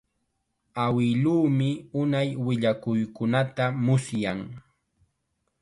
Awiluumi unay willakuykunata musyan.